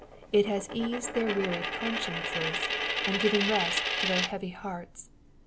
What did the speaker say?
It has eased their wearied consciences, and given rest to their heavy hearts.